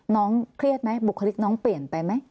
น้องเครียดไหมบุคลิกน้องเปลี่ยนไปไหม